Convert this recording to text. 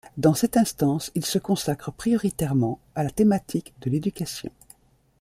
Dans cette instance, il se consacre prioritairement à la thématique de l'éducation.